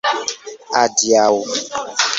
Adiaŭ!